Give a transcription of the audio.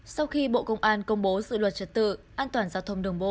sau khi bộ công an công bố dự luật trật tự an toàn giao thông đường bộ